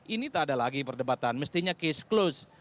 ini tak ada lagi perdebatan mestinya case close